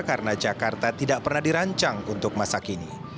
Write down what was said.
karena jakarta tidak pernah dirancang untuk masa kini